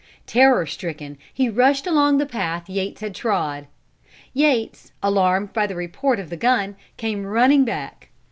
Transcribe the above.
Terror stricken, he rushed along the path Yates had trod. Yates, alarmed by the report of the gun, came running back.